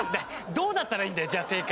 どうだったらいいんだよ正解。